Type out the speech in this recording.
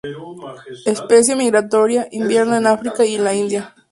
Especie migratoria, inverna en África y la India.